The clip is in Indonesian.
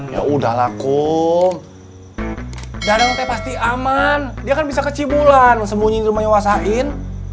ya udahlah kum dadang pasti aman dia kan bisa ke cibulan sembunyi rumahnya wasain